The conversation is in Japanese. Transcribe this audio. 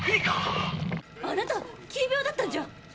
あなた急病だったんじゃ。